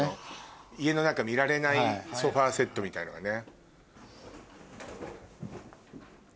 家の中見られないソファセットみたいなのがね。